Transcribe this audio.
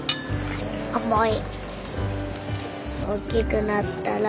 重い。